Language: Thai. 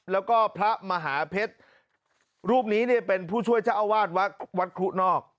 และก็พระมหาเพชรรูปนี้เป็นผู้ช่วยเจ้าอาวาสณ์วัดหวัดครูนอก